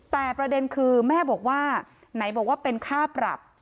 แต่ประเด็นคือแม่บอกว่าไหนบอกว่าเป็นค่าปรับ